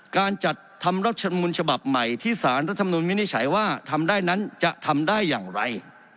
การจัดทำรัฐมนุนฉบับใหม่ที่สารรัฐมนุนวินิจฉัยว่าทำได้นั้นจะทำได้อย่างไร